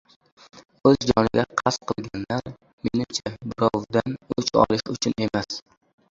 O‘z joniga qasd qilganlar, menimcha, birovdan o‘ch olish uchun emas